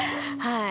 はい。